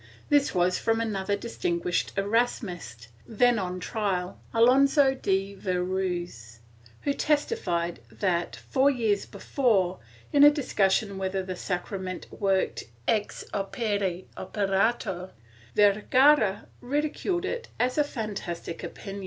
This was from another distinguished Erasmist, then on trial, Alonso de Viru6s, who testi fied that, four years before, in a discussion whether the sacrament worked ex opere operato, Vergara ridiculed it as a fantastic opinion, VOL.